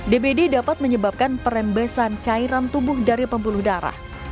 dbd dapat menyebabkan perembesan cairan tubuh dari pembuluh darah